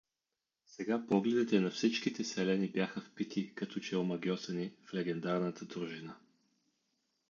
Сега погледите на всичките селяни бяха впити, като че омагьосани, в легендарната дружина.